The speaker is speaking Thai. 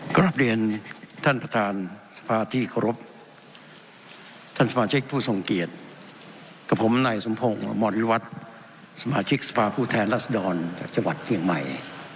กลับเรียนท่านประธานสภาที่เคารพท่านสมาชิกผู้ทรงเกียรติกับผมนายสมพงศ์อมรวิวัตรสมาชิกสภาพผู้แทนรัศดรจากจังหวัดเชียงใหม่